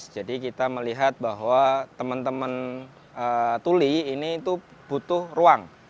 jadi kita melihat bahwa teman teman tuli ini itu butuh ruang